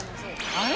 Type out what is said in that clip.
あれ？